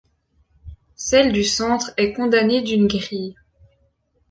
Celle du centre est condamnée d'une grille.